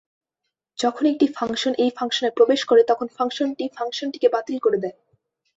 যখন একটি ফাংশন এই ফাংশনে প্রবেশ করে, তখন ফাংশনটি ফাংশনটিকে বাতিল করে দেয়।